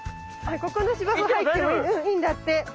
ここの芝生入ってもいいんだって。